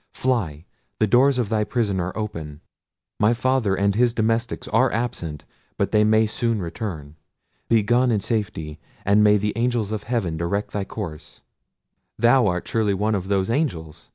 Fly; the doors of thy prison are open: my father and his domestics are absent; but they may soon return. Be gone in safety; and may the angels of heaven direct thy course!" "Thou art surely one of those angels!"